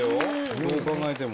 どう考えても。